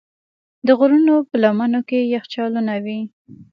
د غرونو په لمنو کې یخچالونه وي.